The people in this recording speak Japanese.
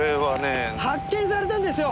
発見されたんですよ！